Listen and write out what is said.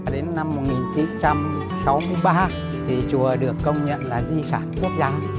đến năm một nghìn chín trăm sáu mươi ba thì chùa được công nhận là di sản quốc gia